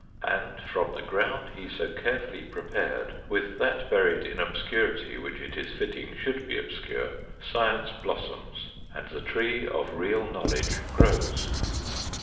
And from the ground he so carefully prepared with that buried in obscurity, which it is fitting should be obscure, science blossoms and the tree of real knowledge grows.